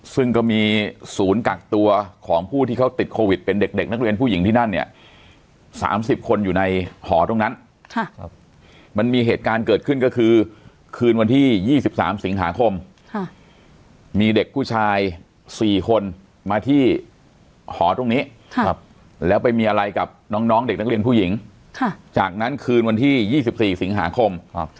ซึ่งก็มีศูนย์กักตัวของผู้ที่เขาติดโควิดเป็นเด็กนักเรียนผู้หญิงที่นั่นเนี่ย๓๐คนอยู่ในหอตรงนั้นมันมีเหตุการณ์เกิดขึ้นก็คือคืนวันที่๒๓สิงหาคมมีเด็กผู้ชาย๔คนมาที่หอตรงนี้แล้วไปมีอะไรกับน้องเด็กนักเรียนผู้หญิงจากนั้นคืนวันที่๒๔สิงหาคม